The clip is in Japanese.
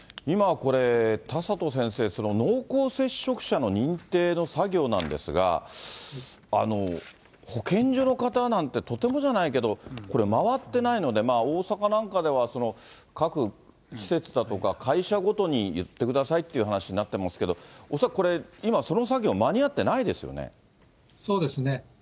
今はこれ、田里先生、濃厚接触者の認定の作業なんですが、保健所の方なんてとてもじゃないけど、これ、回っていないので、大阪なんかでは各施設だとか会社ごとにいってくださいっていう話になっていますけれども、恐らくこれ、今、その作業、間に合ってそうですね。